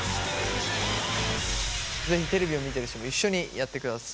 是非テレビを見てる人も一緒にやってください。